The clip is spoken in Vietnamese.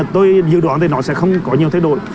tôi dự đoán thì nó sẽ không có nhiều thay đổi